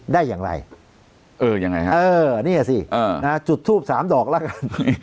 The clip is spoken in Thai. ได้อย่างไรเอออย่างไรฮะเออเนี่ยสิเอออ่าจุดทูปสามดอกละกัน